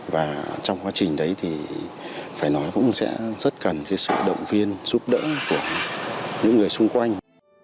và trong quá trình đấy thì phải nói cũng sẽ rất cần sự động viên giúp đỡ của những người xung quanh